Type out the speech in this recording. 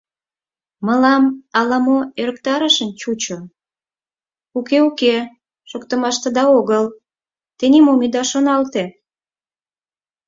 — Мылам ала-мо ӧрыктарышын чучо, уке-уке, шоктымаштыда огыл, те нимом ида шоналте!